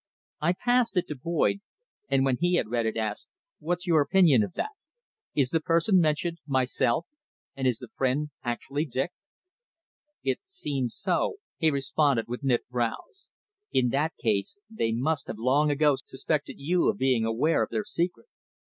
I passed it to Boyd, and when he had read it, asked "What's your opinion of that? Is the person mentioned myself? and is the friend actually Dick?" "It really seems so," he responded, with knit brows. "In that case they must have long ago suspected you of being aware of their secret.